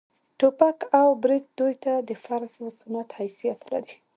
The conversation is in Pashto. ټوپک او برېت دوى ته د فرض و سنت حيثيت لري.